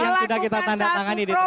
yang sudah kita tanda tangani di sini